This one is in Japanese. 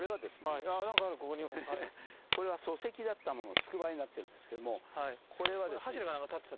ああ何かあるここにも。これは礎石だったものをつくばいになってるんですけどもこれはですね。